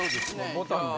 ボタンで。